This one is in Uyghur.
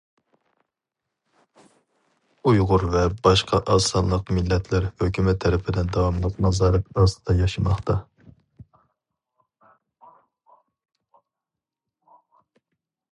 ئۇيغۇر ۋە باشقا ئازسانلىق مىللەتلەر ھۆكۈمەت تەرىپىدىن داۋاملىق نازارەت ئاستىدا ياشىماقتا.